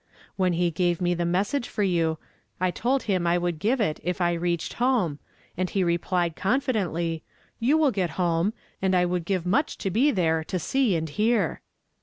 When he gave me the message for you, I told him I would give it if I reached home, and he replied confidently, ' You will get home ; and I would give much to be there to see and hear.'